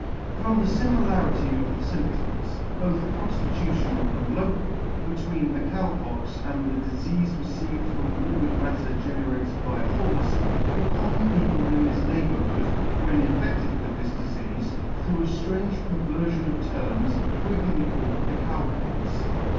From the fimilarity of lymptoms, both conftitutional and local, between the Cow Pox and the difeafe received from morbid matter generated by a horfe, the common people in this neighbourhood, when infedted with this difeafe, through a Itrange perverfion of terms, frequently called the Cow Pox.